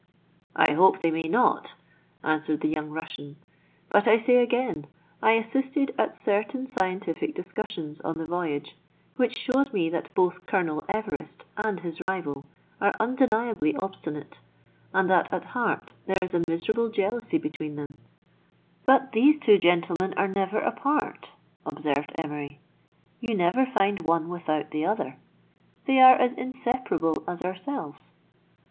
" I hope they may not," answered the young Russian ; "but I say again, I assisted at certain scientific discussions on the voyage, which showed me that both Colonel Everest and his rival are undeniably obstinate, and that at heart there is a miserable jealousy between them," " But these two gentlemen are never apart," observed Emery. "You never find one without the other; they are as inseparable as ourselves."